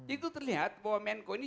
itu terlihat bahwa menko ini